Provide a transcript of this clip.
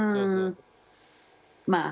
まあ